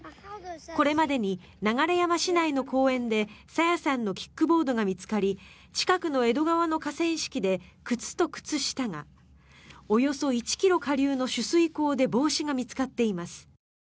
これまでに流山市内の公園で朝芽さんのキックボードが見つかり近くの江戸川の河川敷で靴と靴下がおよそ１ｋｍ下流の取水口で帽子が見つかっています。